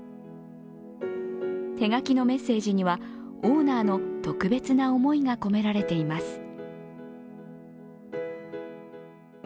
手書きのメッセージにはオーナーの特別な思いが込められています。